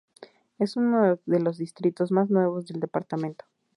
Es uno de los distritos más nuevos del departamento.